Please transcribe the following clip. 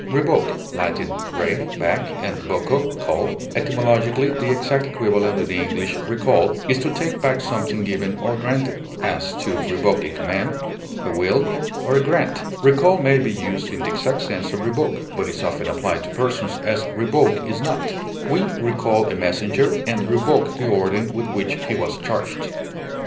Revoke (L. re, back, and voco, call), etymologically the exact equivalent of the English recall, is to take back something given or granted; as, to revoke a command, a will, or a grant; recall may be used in the exact sense of revoke, but is often applied to persons, as revoke is not; we recall a messenger and revoke the order with which he was charged.